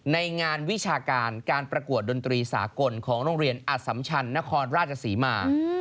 ในงานวิชาการการประกวดดนตรีสากลของโรงเรียนอสัมชันนครราชศรีมา